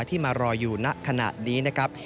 ที่มารออยู่ณขณะนี้นะครับ